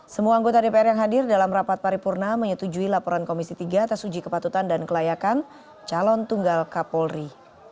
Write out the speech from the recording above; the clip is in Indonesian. semua anggota dpr yang hadir dalam rapat paripurna menyetujui laporan komisi tiga atas uji kepatutan dan kelayakan calon tunggal kapolri